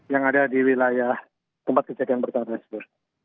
yang ada di wilayah tempat kejadian perkara tersebut